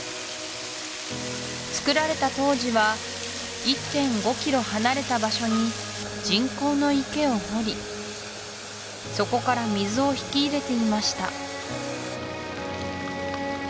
造られた当時は１．５ｋｍ離れた場所に人工の池を掘りそこから水を引き入れていました